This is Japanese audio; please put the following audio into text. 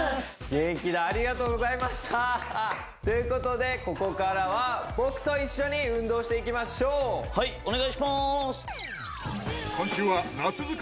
元気だありがとうございましたということでここからは僕と一緒に運動していきましょうはいお願いします